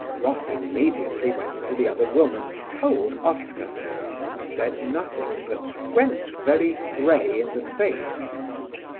Ross immediately went into the other room and told Oscar, who said nothing, but "went very grey in the face."